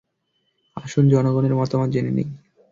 আসুন জনগণের মতামত জেনে নিই।